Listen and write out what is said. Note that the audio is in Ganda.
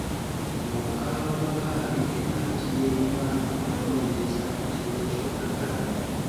Ng'okaababukaabi era nga kiri eri maama okunoonyereza azuule ky'oyagala.